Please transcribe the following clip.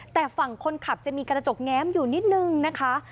แต่ฝั่งคนขับจะมีกระจกแง้มอยู่นิดนึงนะคะ